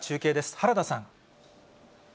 原田さん。